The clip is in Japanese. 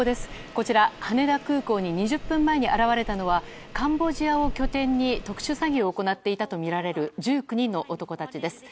こちら、羽田空港に２０分前に現れたのはカンボジアを拠点に特殊詐欺を行っていたとみられる１９人の男たちです。